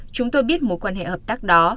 chúng tôi biết mối quan hệ hợp tác đó